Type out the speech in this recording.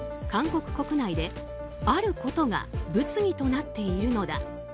韓国国内であることが物議となっているのだ。